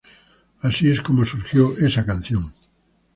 Así es como surgió esa canción.